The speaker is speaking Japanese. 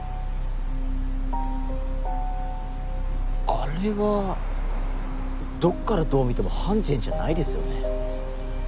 あれはどっからどう見てもハン・ジエンじゃないですよね？